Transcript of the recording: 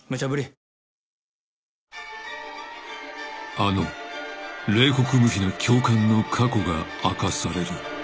［あの冷酷無比な教官の過去が明かされる］